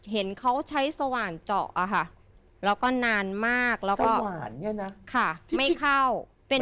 เห็นเขาใช้สว่านเจาะอ่ะค่ะแล้วก็นานมากแล้วเหรอนะคะที่ไม่เข้าเป็น